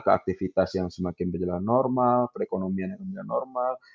keaktifitas yang semakin berjalan normal perekonomian yang berjalan normal